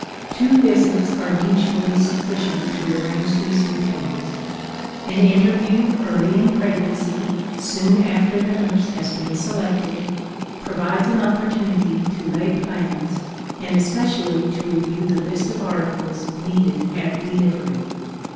Two visits are usually sufficient to arrange these details. An interview early in pregnancy, soon after the nurse has been selected, provides an opportunity to lay plans and especially to review the list of articles needed at delivery.